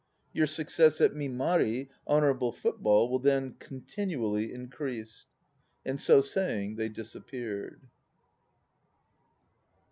Your success at Mi man, 'Honourable Football,' will then continually increase." And so saying they disappeared.